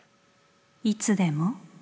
いつでも？